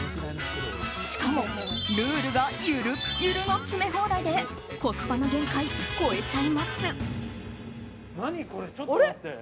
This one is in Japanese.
しかも、ルールがゆるっゆるの詰め放題でコスパの限界超えちゃいます！